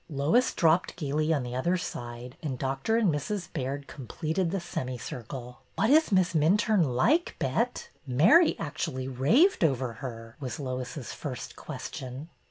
Lois dropped gayly on the other side and Dr. and Mrs. Baird completed the semicircle. ''What is Miss Minturne like, Bet? Mary actually raved over her," was Lois's first question.